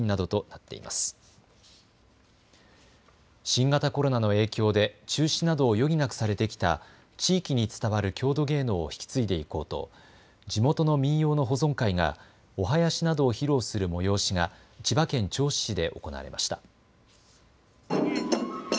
新型コロナの影響で中止などを余儀なくされてきた地域に伝わる郷土芸能を引き継いでいこうと地元の民謡の保存会がお囃子などを披露する催しが千葉県銚子市で行われました。